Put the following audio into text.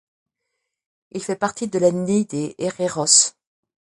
Il fait partie de l'ethnie des Hereros.